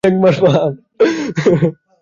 বাপু আর বাবা!